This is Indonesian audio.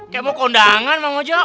kayak mau ke undangan